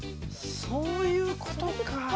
そういうことか！